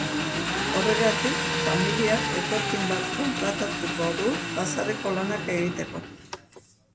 Horregatik, familiak etorkin bat kontratatuko du baserriko lanak egiteko.